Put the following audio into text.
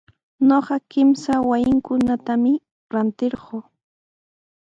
Ñuqa kimsa wasikunatami rantirquu.